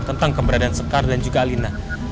tentang keberadaan sekar dan juga elina